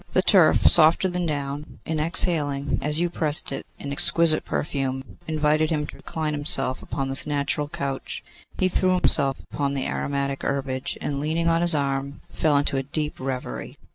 The turf, softer than down, and exhaling, as you pressed it, an exquisite perfume, invited him to recline himself upon this natural couch. He threw himself upon the aromatic herbage, and leaning on his arm, fell into a deep reverie.